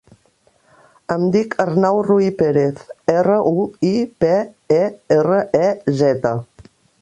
Em dic Arnau Ruiperez: erra, u, i, pe, e, erra, e, zeta.